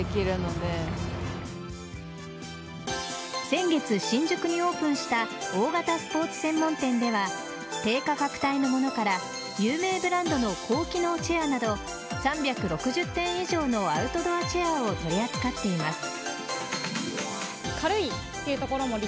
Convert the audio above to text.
先月、新宿にオープンした大型スポーツ専門店では低価格帯のものから有名ブランドの高機能チェアなど３６０点以上のアウトドアチェアを取り扱っています。